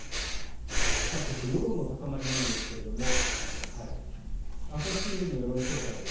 そして世論の高まりなんですが朝日新聞の世論調査です。